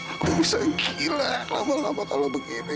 aku bisa gila lama lama kalau begini